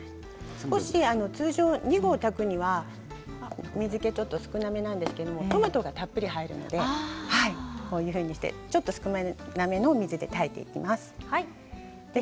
少し、通常２合炊くには水けがちょっと少なめなんですけどトマトがたっぷり入るのでちょっと少なめの水で炊いていきます。